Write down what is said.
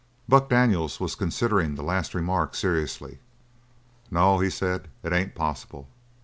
Buck Daniels was considering the last remark seriously. "No," he said, "it ain't possible.